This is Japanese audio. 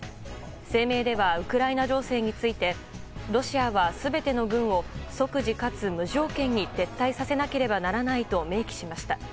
声明ではウクライナ情勢についてロシアは全ての軍を即時かつ無条件に撤退させなければならないと明記しました。